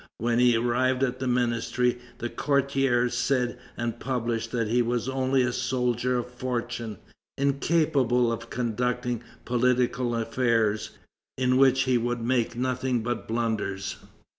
When he arrived at the ministry, the courtiers said and published that he was only a soldier of fortune, incapable of conducting political affairs, in which he would make nothing but blunders.